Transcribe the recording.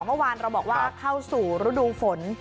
เมื่อวานเราบอกว่าเข้าสู่ฤดูฝน